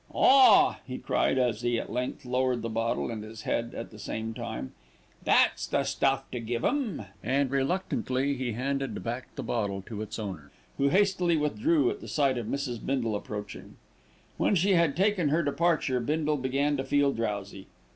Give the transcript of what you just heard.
"Ah!" he cried, as he at length lowered the bottle and his head at the same time. "That's the stuff to give 'em," and reluctantly he handed back the bottle to its owner, who hastily withdrew at the sight of Mrs. Bindle approaching. When she had taken her departure, Bindle began to feel drowsy.